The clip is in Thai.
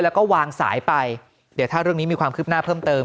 แล้วก็วางสายไปเดี๋ยวถ้าเรื่องนี้มีความคืบหน้าเพิ่มเติม